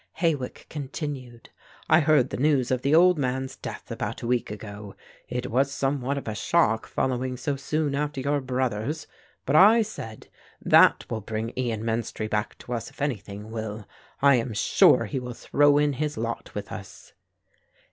Hawick continued, "I heard the news of the old man's death about a week ago. It was somewhat of a shock following so soon after your brother's; but I said, that will bring Ian Menstrie back to us if anything will. I am sure he will throw in his lot with us."